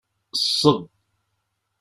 Ṣṣeb!